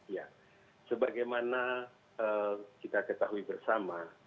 ya sebagaimana kita ketahui bersama